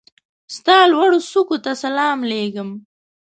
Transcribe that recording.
ستا لوړوڅوکو ته سلام لېږم